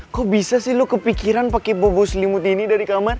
kok bisa sih lo kepikiran pakai bobo selimut ini dari kamar